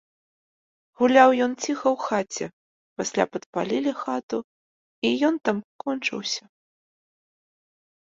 Гуляў ён ціха ў хаце, пасля падпалілі хату, і ён там кончыўся.